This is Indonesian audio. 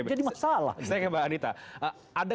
jadi masalah saya ke mbak anita ada